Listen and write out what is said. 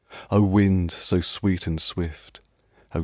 O! wind so sweet and swift, O!